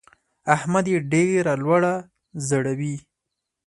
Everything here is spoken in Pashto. احمد يې ډېره لوړه ځړوي.